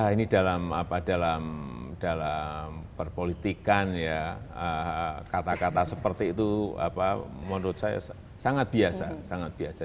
ini dalam apa dalam dalam berpolitikan ya kata kata seperti itu apa menurut saya sangat biasa sangat biasa